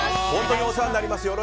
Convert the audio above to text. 本当にお世話になります